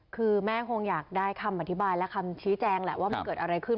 คือแม่คงอยากได้คำอธิบายและคำชี้แจงแหละว่ามันเกิดอะไรขึ้น